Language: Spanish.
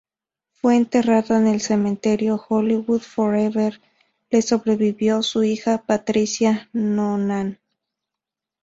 Fue enterrada en el Cementerio Hollywood Forever.Le sobrevivió su hija, Patricia Noonan.